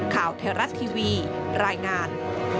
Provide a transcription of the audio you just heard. ข่าวเทราะต์ทีวีรายงาน